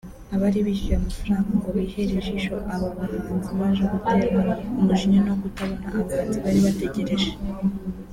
Abari bishyuye amafaranga ngo bihere ijisho aba bahanzi baje guterwa umujinya no kutabona abahanzi bari bategereje